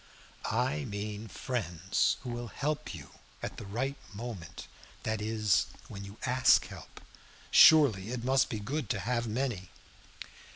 "I mean friends who will help you at the right moment, that is, when you ask help. Surely it must be good to have many."